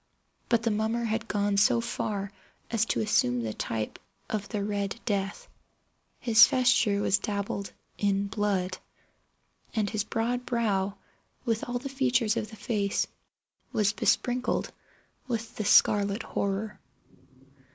But the mummer had gone so far as to assume the type of the Red Death. His vesture was dabbled in blood—and his broad brow, with all the features of the face, was besprinkled with the scarlet horror.